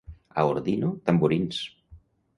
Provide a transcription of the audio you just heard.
A Ordino, tamborins.